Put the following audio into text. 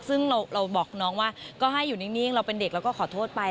ซึ่งเราบอกน้องว่าก็ให้อยู่นิ่งเราเป็นเด็กเราก็ขอโทษไป